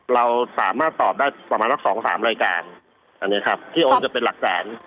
เราสามารถตอบได้ประมาณละ๒๓รายการที่โอนจะเป็นหลักฐาน